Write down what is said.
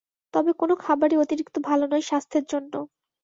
তবে কোনো খাবারই অতিরিক্ত ভালো নয় স্বাস্থ্যের জন্য।